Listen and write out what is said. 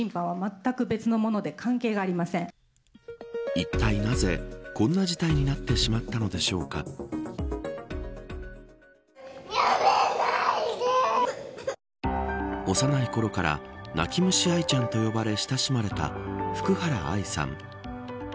いったいなぜ、こんな事態になってしまったのでしょうか幼いころから泣き虫愛ちゃんと呼ばれ親しまれた福原愛さん。